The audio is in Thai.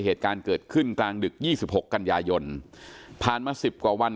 เหตุการณ์เกิดขึ้นกลางดึก๒๖กันยายนผ่านมา๑๐กว่าวัน